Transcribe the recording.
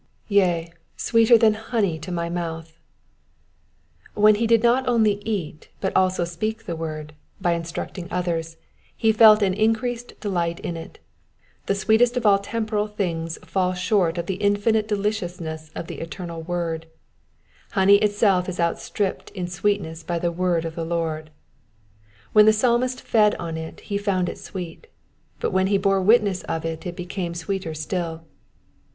rea, sweeter than honey to my mouth.''^ When he did not only eat but also speak the word, by instructing others, he felt an increased delight in it. The sweetest of all temporal things fall short of the infinite deliciousness of the eternal word : honey itself is outstripped in sweetness by the word of the Lord. When the Psalmist fed on it he found it sweet ; but when he bore witness of it it became sweeter still.